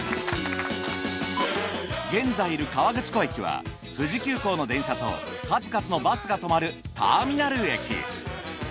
現在いる河口湖駅は富士急行の電車と数々のバスが止まるターミナル駅。